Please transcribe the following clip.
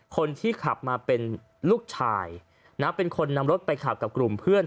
คนที่ขับมาเป็นลูกชายนะเป็นคนนำรถไปขับกับกลุ่มเพื่อน